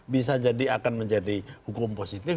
bisa jadi akan menjadi hukum positif